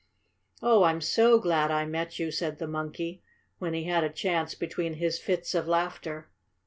"Oh, I'm so glad I met you!" said the monkey, when he had a chance between his fits of laughter.